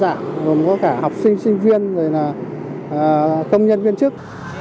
gồm có cả học sinh sinh viên công nhân viên chức